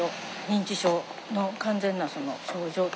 認知症の完全な症状というか。